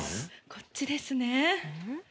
こっちですね。